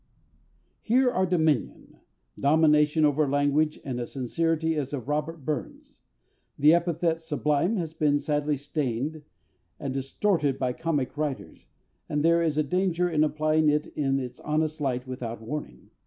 _ Here are dominion domination over language, and a sincerity as of Robert Burns.... The epithet sublime has been sadly stained and distorted by comic writers, and there is a danger in applying it in its honest light without warning.